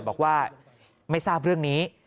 บอกว่าไม่ทราบเรื่องนี้